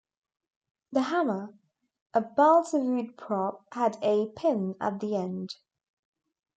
The hammer, a balsa-wood prop, had a pin at the end.